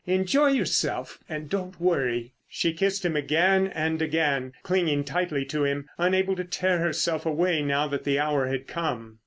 Enjoy yourself and don't worry." She kissed him again and again, clinging tightly to him, unable to tear herself away now that the hour had come.